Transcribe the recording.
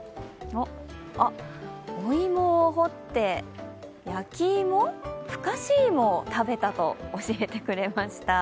あっ、お芋を掘って焼き芋、蒸かし芋を食べたと教えてくれました。